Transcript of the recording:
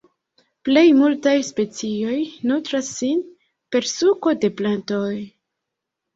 Plej multaj specioj nutras sin per suko de plantoj.